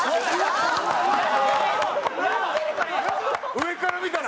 上から見たら。